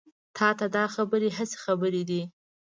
تا ته دا خبرې هسې خبرې دي.